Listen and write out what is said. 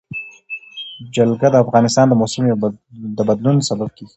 جلګه د افغانستان د موسم د بدلون سبب کېږي.